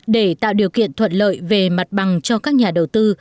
để tạo điều kiện thuận lợi về mặt bằng cho các nhà đầu tư